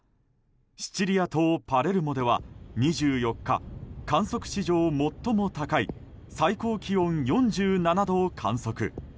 シチリア島パレルモでは２４日観測史上最も高い最高気温４７度を乾燥。